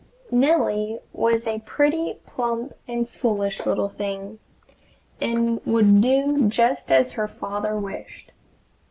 Nellie was a pretty, plump, and foolish little thing, and would do just as her father wished.